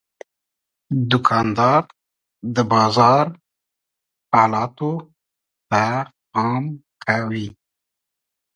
دوکاندار د بازار حالاتو ته پام کوي.